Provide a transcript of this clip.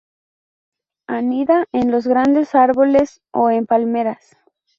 Anida en los grandes árboles o en palmeras.